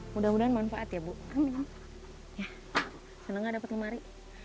mudah mudahan manfaat ya bu seneng dapat kemari